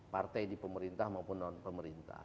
partai di pemerintah maupun non pemerintah